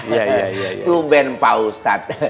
itu ben pak ustaz